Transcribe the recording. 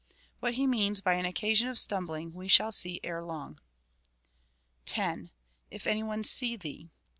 What he means by an occasion of stumbling we shall see erelong. 10. If any one see thee.